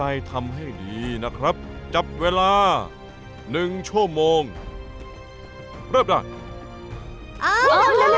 อ้าวล้อล้อล้อล้อ